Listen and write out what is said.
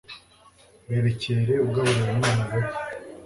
berekere ugaburira umwana gake